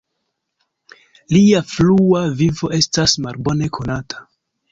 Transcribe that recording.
Lia frua vivo estas malbone konata.